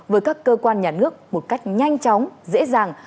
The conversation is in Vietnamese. với các cơ quan nhà nước một cách nhanh chóng dễ dàng